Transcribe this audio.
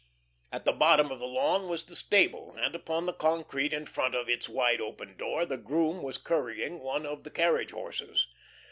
At the bottom of the lawn was the stable, and upon the concrete in front of its wide open door the groom was currying one of the carriage horses.